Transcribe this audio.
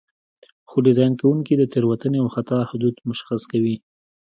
خو ډیزاین کوونکي د تېروتنې او خطا حدود مشخص کوي.